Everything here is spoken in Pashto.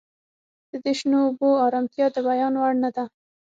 د دې شنو اوبو ارامتیا د بیان وړ نه ده